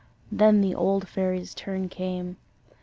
Then the old fairy's turn came.